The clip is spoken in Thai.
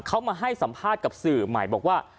เขามาให้สัมภาษณ์กับสื่อใหม่บอกว่า